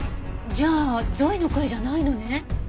じゃあゾイの声じゃないのね？